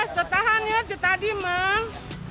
setahan ya itu tadi mang